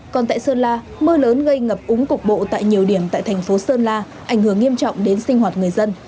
còn tại sơn la mưa lớn gây ngập úng cục bộ tại nhiều điểm tại thành phố sơn la ảnh hưởng nghiêm trọng đến sinh hoạt người dân